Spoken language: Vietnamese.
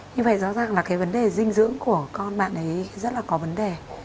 như vậy rõ ràng là cái vấn đề dinh dưỡng của con bạn ấy rất là có vấn đề